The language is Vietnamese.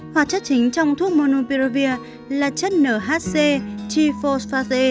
hoạt chất chính trong thuốc monofilavir là chất nhc g phosphate